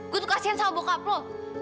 gue tuh kasian sama bokap lo